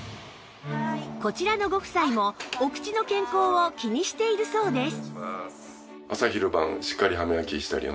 こちらのご夫妻もお口の健康を気にしているそうです